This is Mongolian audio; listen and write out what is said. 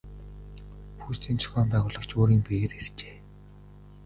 Пүүсийн зохион байгуулагч өөрийн биеэр иржээ.